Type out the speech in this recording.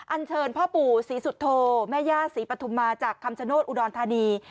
เชิญพ่อปู่ศรีสุโธแม่ย่าศรีปฐุมมาจากคำชโนธอุดรธานี